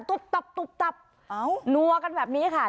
ตับตุ๊บตับนัวกันแบบนี้ค่ะ